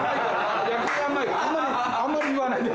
あんまり言わないで。